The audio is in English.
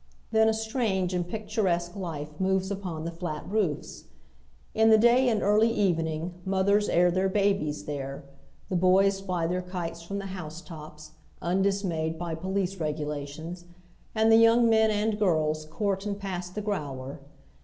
Than a strange and picturesque life moves upon the flat roofs. In the day and early evening moth ers air their babies there, the boys fly their kites from the house tops, undismayed by police regulations, and the oyGoogle 166 HOW THE OTHER HALF LIVES. yomig men and girla court and pass the growler.